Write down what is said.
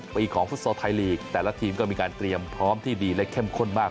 ปีของฟุตซอลไทยลีกแต่ละทีมก็มีการเตรียมพร้อมที่ดีและเข้มข้นมาก